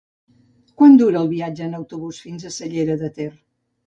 Quant dura el viatge en autobús fins a la Cellera de Ter?